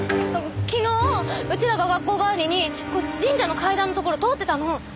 昨日うちらが学校帰りに神社の階段のところ通ってたの。